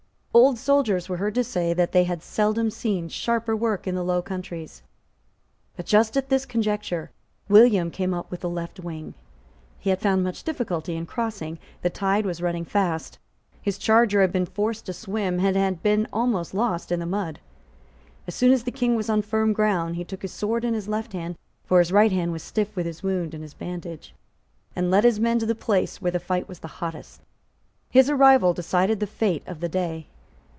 Old soldiers were heard to say that they had seldom seen sharper work in the Low Countries. But, just at this conjuncture, William came up with the left wing. He had found much difficulty in crossing. The tide was running fast. His charger had been forced to swim, and had been almost lost in the mud. As soon as the King was on firm ground he took his sword in his left hand, for his right arm was stiff with his wound and his bandage, and led his men to the place where the fight was the hottest. His arrival decided the fate of the day.